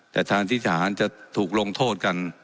แต่แทนที่ทหารจะถูกลงโทษกัน